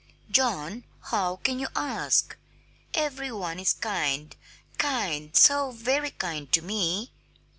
"John! How can you ask? Every one is kind, kind, so very kind to me!"